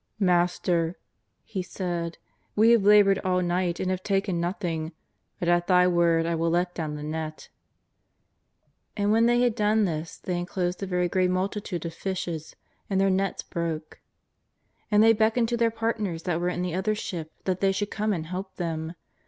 " Master," he said, " we have laboured all night and have taken nothing, but at Thy word I will let down the net." And when they had done this they enclosed a very ^eat multitude of fishes and their net broke. And thoy beckoned to their partners that were in the other ship that they should come and help them.